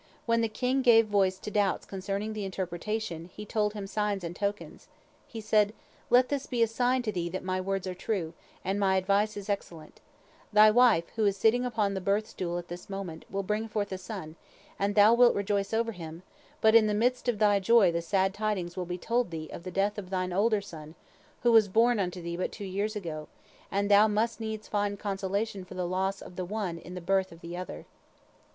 When the king gave voice to doubts concerning the interpretation, he told him signs and tokens. He said: "Let this be a sign to thee that my words are true, and my advice is excellent: Thy wife, who is sitting upon the birthstool at this moment, will bring forth a son, and thou wilt rejoice over him, but in the midst of thy joy the sad tidings will be told thee of the death of thine older son, who was born unto thee but two years ago, and thou must needs find consolation for the loss of the one in the birth of the other."